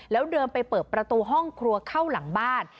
แล้วเดินไปเปิดประตูห้องครัวเข้าหลังบ้าน